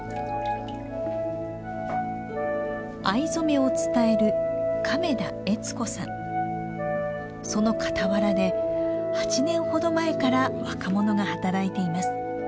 藍染めを伝えるその傍らで８年ほど前から若者が働いています。